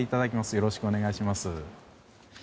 よろしくお願いします。